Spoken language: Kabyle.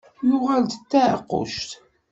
Yuɣal d taɛeqquct.